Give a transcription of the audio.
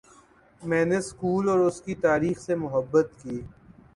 میں نے سکول اور اس کی تاریخ سے محبت کی